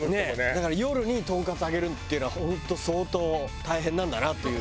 だから夜にトンカツ揚げるっていうのは本当相当大変なんだなっていう。